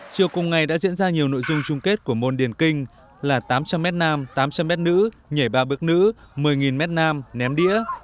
chiều cùng ngày đã diễn ra nhiều nội dung chung kết của môn điển kinh là tám trăm linh m nam tám trăm linh m nữ nhảy ba bước nữ một mươi m nam ném đĩa